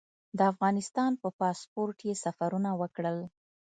د افغانستان په پاسپورټ یې سفرونه وکړل.